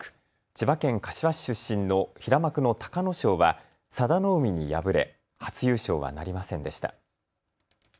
千葉県柏市出身の平幕の隆の勝は佐田の海に敗れ初優勝はなりませんでした。